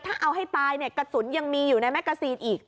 ถ้าเอาให้ตายกระสุนยังมีอยู่ในแมกกระซีนอีก